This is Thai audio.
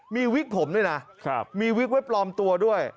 มีวิกผมด้วยนะมีวิกไว้ปลอมตัวด้วย